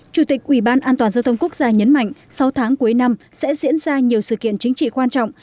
chủ tịch ủy ban an toàn giao thông quốc gia nhấn mạnh sáu tháng cuối năm sẽ diễn ra nhiều sự kiện chính trị quan trọng